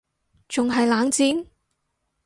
仲係冷戰????？